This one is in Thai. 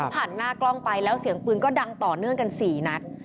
ผ่านหน้ากล้องไปแล้วเสียงปืนก็ดังต่อเนื่องกัน๔นัด